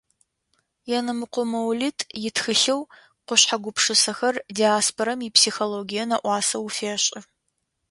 Енэмыкъо Моулид итхылъэу «Къушъхьэ гупшысэхэр» диаспорэм ипсихологие нэӏуасэ уфешӏы.